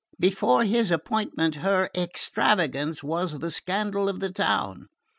Before his appointment her extravagance was the scandal of the town.